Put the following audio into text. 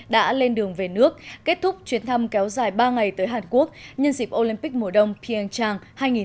đã lên đường về nước kết thúc chuyến thăm kéo dài ba ngày tới hàn quốc nhân dịp olympic mùa đông pyeongchang hai nghìn một mươi tám